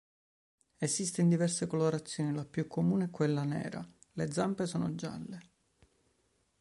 Esiste in diverse colorazioni, la più comune è quella nera; le zampe sono gialle.